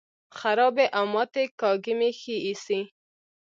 خرابې او ماتې کاږي مې ښې ایسي.